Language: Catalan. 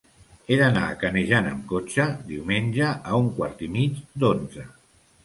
He d'anar a Canejan amb cotxe diumenge a un quart i mig d'onze.